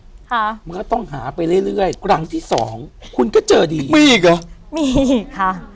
ค่ะมันก็ต้องหาไปเรื่อยเรื่อยครั้งที่สองคุณก็เจอดีมีอีกเหรอมีอีกค่ะ